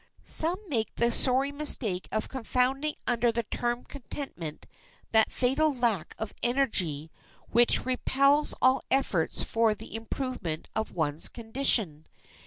Some make the sorry mistake of confounding under the term contentment that fatal lack of energy which repels all efforts for the improvement of one's condition.